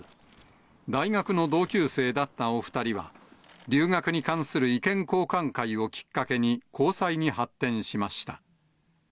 大学の同級生だったお２人は、留学に関する意見交換会をきっかけに、交際に発展しました。